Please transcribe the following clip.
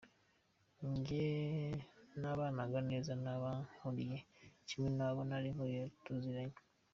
Njye nabanaga neza n’abankuriye kimwe n’abo nari nkuriye tuziranye.